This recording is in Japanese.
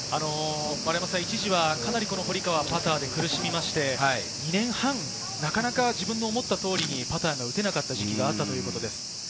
一時は、かなり堀川はパターで苦しみましたが、２年半なかなか自分の思った通りにパターが打てなかった時期があったということです。